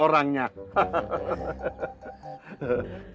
bener kan sambian ustadz samsul